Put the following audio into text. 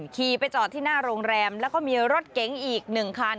ขี่ไปจอดที่หน้าโรงแรมแล้วก็มีรถเก๋งอีก๑คัน